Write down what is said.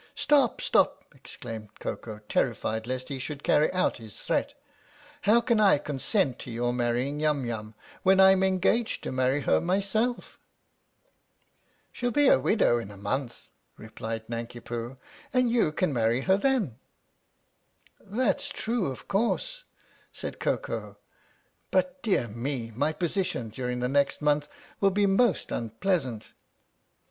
" Stop ! Stop !" exclaimed Koko, terrified lest he should carry out his threat. " How can I consent to your marrying Yum Yum when I'm engaged to marry her myself ?" 58 THE STORY OF THE MIKADO " She'll be a widow in a month," replied Nanki Poo, "and you can marry her then." "That's true, of course," said Koko; "but, dear me my position during the next month will be most unpleasant."